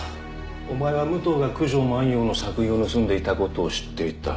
お前は武藤が九条万葉の作品を盗んでいたことを知っていた。